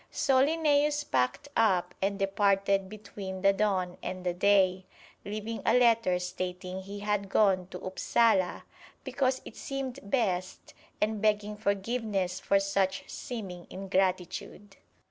So Linnæus packed up and departed between the dawn and the day, leaving a letter stating he had gone to Upsala because it seemed best and begging forgiveness for such seeming ingratitude.